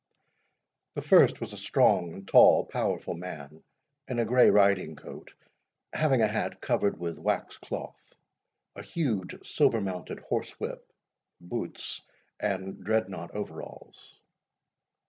The first was a strong, tall, powerful man, in a grey riding coat, having a hat covered with waxcloth, a huge silver mounted horsewhip, boots, and dreadnought overalls.